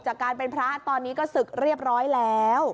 จากการเป็นพระตอนนี้ก็ศึกเรียบร้อยแล้ว